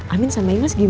amin sama imas gak mau ikut